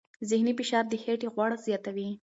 ذهني فشار د خېټې غوړ زیاتوي.